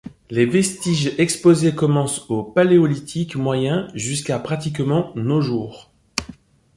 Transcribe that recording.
Les vestiges exposés commencent au Paléolithique moyen jusqu'à pratiquement nos jours.